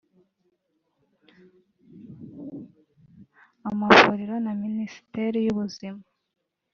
amavuriro na Minisiteri y’ubuzima